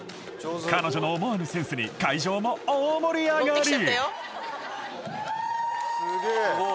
彼女の思わぬセンスに会場も大盛り上がり